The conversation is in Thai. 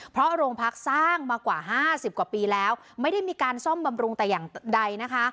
เพราะโรงพักสร้างมากว่าห้าสิบกว่าปีแล้วไม่ได้มีการซ่อมบำรุงแต่อย่างใดนะคะ